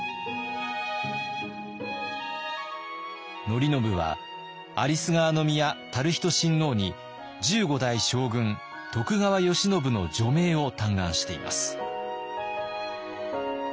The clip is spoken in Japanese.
範叙は有栖川宮熾仁親王に十五代将軍徳川慶喜の助命を嘆願しています。